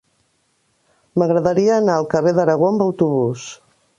M'agradaria anar al carrer d'Aragó amb autobús.